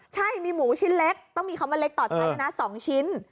ใช่มีหมูชิ้นล็ดต้องมีคำว่าเล็กต่อไทยนะ๒ชิ้น